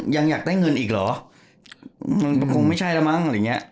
ยังอยากได้เงินอีกเหรอมันคงไม่ใช่แล้วมั้ง